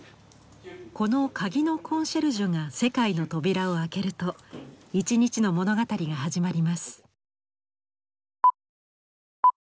この「鍵のコンシェルジュ」が世界の扉を開けると一日の物語が始まります。